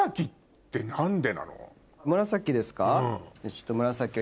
紫ですか？